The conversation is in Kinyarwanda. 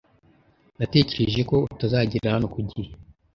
Natekereje ko utazagera hano ku gihe.